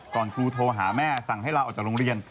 ครูโทรหาแม่สั่งให้ลาออกจากโรงเรียน